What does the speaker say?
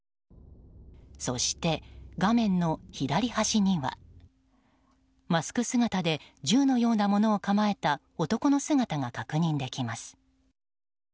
そして、画面の左端にはマスク姿で銃のようなものを構えた男の姿が確認できます。